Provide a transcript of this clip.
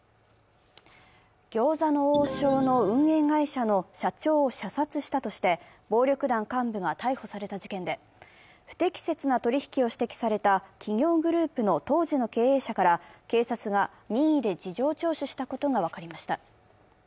餃子の王将の運営会社の社長を射殺したとして暴力団幹部が逮捕された事件で、不適切な取り引きを指摘された企業グループの当時の経営者から警察が任意で事情聴取したことが分かりました。